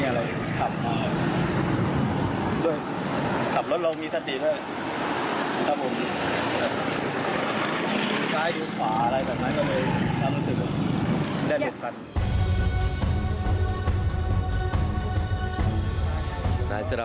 ส่งสัญญาณมาหน่อยก็ได้ถึงให้ไม่มีอะไร